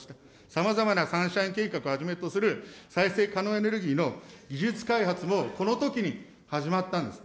さまざまなサンシャイン計画をはじめとする再生可能エネルギーの技術開発も、このときに始まったんです。